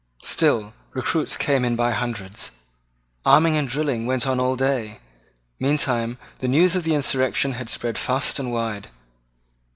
Still recruits came in by hundreds. Arming and drilling went on all day. Meantime the news of the insurrection had spread fast and wide.